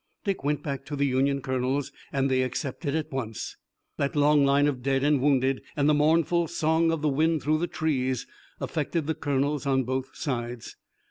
Dick went back to the Union colonels, and they accepted at once. That long line of dead and wounded, and the mournful song of the wind through the trees, affected the colonels on both sides.